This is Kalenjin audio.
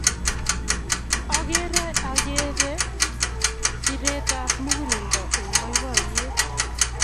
Akerin akere piret ap muguleldo eng' poipoyet.